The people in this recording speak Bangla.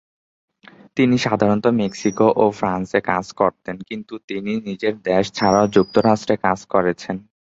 তিনি সাধারণত মেক্সিকো ও ফ্রান্সে কাজ করতেন, কিন্তু তিনি নিজের দেশ ছাড়াও যুক্তরাষ্ট্রে কাজ করেছেন।